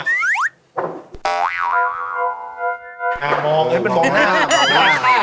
มองทำไมมึงมองหน้า